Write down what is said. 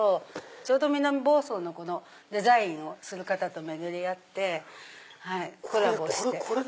ちょうど南房総のデザインをする方と巡り合ってコラボして。